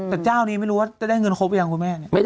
แต่เจ้านี้ไม่รู้ว่าจะได้เงินครบหรือยังคุณแม่เนี่ย